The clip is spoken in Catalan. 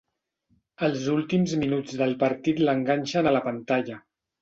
Els últims minuts del partit l'enganxen a la pantalla.